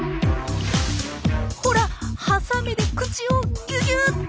ほらハサミで口をギュギュっと。